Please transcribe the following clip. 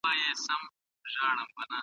لاس دي رانه کړ اوبو چي ډوبولم